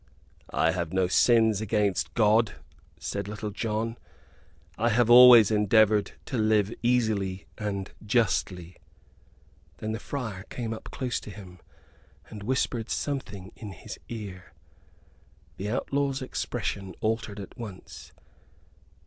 "I have no sins against God," said Little John; "I have always endeavored to live easily and justly." Then the friar came up close to him, and whispered something in his ear. The outlaw's expression altered at once.